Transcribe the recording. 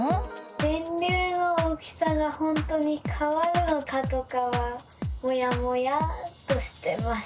電流の大きさがほんとにかわるのかとかはモヤモヤっとしてます。